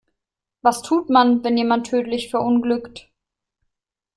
Was tut man, wenn jemand tödlich verunglückt?